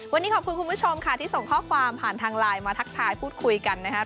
วันนี้ขอบคุณคุณผู้ชมค่ะที่ส่งข้อความผ่านทางไลน์มาทักทายพูดคุยกันนะครับ